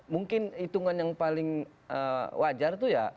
mungkin hitungan yang paling wajar itu ya